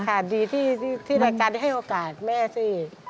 ดีที่รายการได้ให้โอกาสแม่สิ